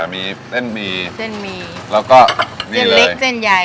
อ่ามีเส้นมีเส้นมีแล้วก็นี่เลยเส้นเล็กเส้นใหญ่